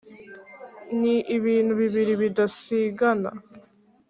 ni ibintu bibiri bidasigana